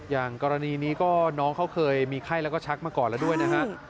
อย่างกรณีนี้ก็น้องเขาเคยมีไข้แล้วก็ชักมาก่อนแล้วด้วยนะฮะ